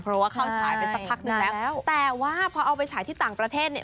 เพราะว่าเข้าฉายไปสักพักหนึ่งแล้วแต่ว่าพอเอาไปฉายที่ต่างประเทศเนี่ย